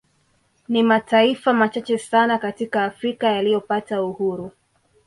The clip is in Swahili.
Ni mataifa machache sana katika Afrika yaliyopata uhuru